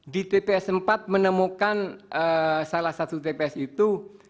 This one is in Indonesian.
di tps empat menemukan salah satu tps itu